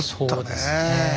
そうですねえ。